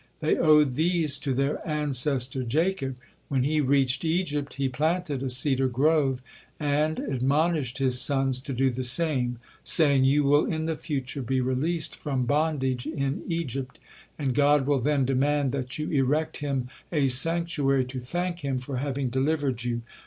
They owed these to their ancestor Jacob. When he reached Egypt, he planted a cedar grove and admonished his sons to do the same, saying: "You will in the future be released from bondage in Egypt, and God will then demand that you erect Him a sanctuary to thank Him for having delivered you.